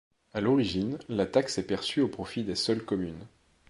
À l'origine, la taxe est perçue au profit des seules communes.